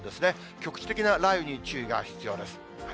局地的な雷雨に注意が必要です。